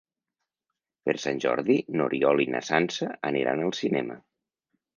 Per Sant Jordi n'Oriol i na Sança aniran al cinema.